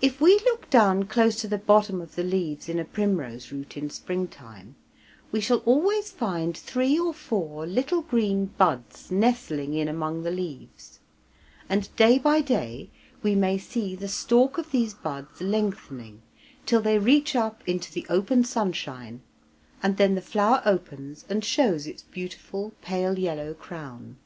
If we look down close to the bottom of the leaves in a primrose root in spring time, we shall always find three or four little green buds nestling in among the leaves, and day by day we may see the stalk of these buds lengthening till they reach up into the open sunshine, and then the flower opens and shows its beautiful pale yellow crown.